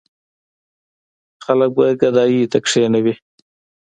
خلک به ګدايۍ ته کېنوي.